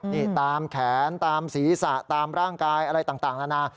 นี่ตามแขนตามศีรษะตามร่างกายอะไรต่างนานา